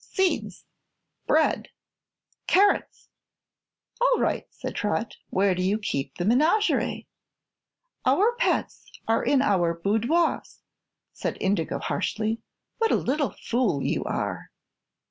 "Seeds!" "Bread!" "Carrots!" "All right," said Trot; "where do you keep the menagerie?" "Our pets are in our boudoirs," said Indigo, harshly. "What a little fool you are!"